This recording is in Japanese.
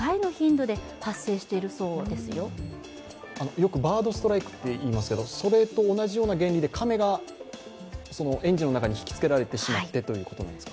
よくバードスイライクと言いますけど、それと同じように亀がエンジンの中に引きつけられてしまったということなんですか。